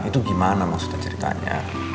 itu gimana maksudnya ceritanya